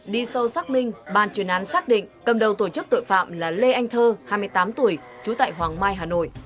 đi sâu xác minh bàn chuyên án xác định cầm đầu tổ chức tội phạm là lê anh thơ hai mươi tám tuổi trú tại hoàng mai hà nội